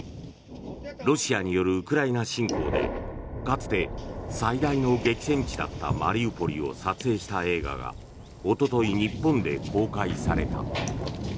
ロシアによるウクライナ侵攻でかつて最大の激戦地だったマリウポリを撮影した映画がおととい、日本で公開された。